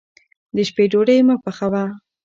د شپې ډوډۍ مه پخوه.